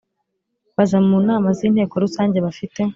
Baza mu nama z Inteko Rusange bafite